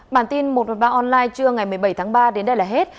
bản tin một trăm một mươi ba online trưa ngày một mươi bảy tháng ba đến đây là hết